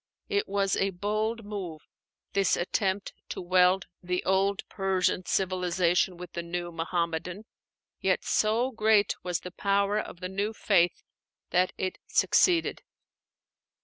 It was a bold move, this attempt to weld the old Persian civilization with the new Muhammadan. Yet so great was the power of the new faith that it succeeded.